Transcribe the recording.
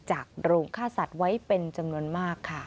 โรงฆ่าสัตว์ไว้เป็นจำนวนมากค่ะ